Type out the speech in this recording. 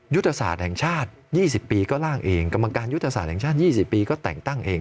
ยุทธศาสตร์แห่งชาติ๒๐ปีก็ล่างเองกรรมการยุทธศาสตร์แห่งชาติ๒๐ปีก็แต่งตั้งเอง